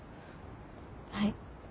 はい？